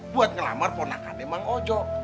buat ngelamar ponakannya mang ojo